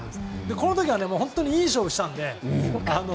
この時は本当にいい勝負をしたんで。